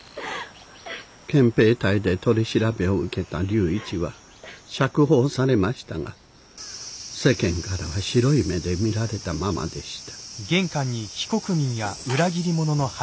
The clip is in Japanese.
憲兵隊で取り調べを受けた龍一は釈放されましたが世間からは白い目で見られたままでした。